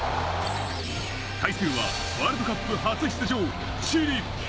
対するはワールドカップ初出場、チリ。